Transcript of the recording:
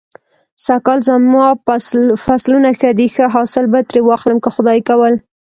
سږ کال زما فصلونه ښه دی. ښه حاصل به ترې واخلم که خدای کول.